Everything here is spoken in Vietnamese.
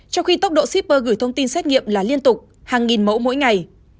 trong khi tốc độ shipper gửi thông tin xét nghiệm là liên tục hàng nghìn mẫu mỗi ngày